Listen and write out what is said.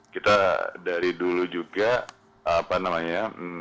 kita dari dulu juga apa namanya